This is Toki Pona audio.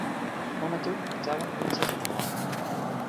ona tu li tawa insa tomo wawa.